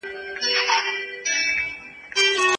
دا راپور د نړیوالو خبري اژانسونو لخوا خپور شو.